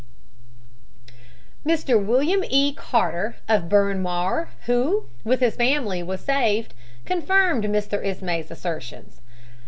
Mr. William E. Carter, of Bryn Mawr, who, with his family, was saved, confirmed Mr. Ismay's assertions.